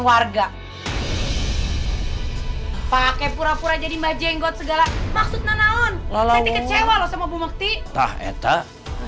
warga pakai pura pura jadi mbah jenggot segala maksud nanaon lalu kecewa sama bumukti tah etah